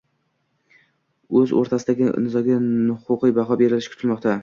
uz o'rtasidagi nizoga huquqiy baho berishi kutilmoqda